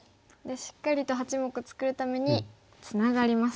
しっかりと８目作るためにツナがります。